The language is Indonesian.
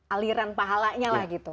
aliran pahalanya lah gitu